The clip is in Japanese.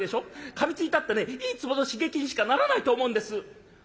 かみついたってねいいツボの刺激にしかならないと思うんです」。